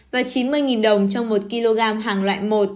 và chín mươi nghìn đồng cho một kg hàng loại một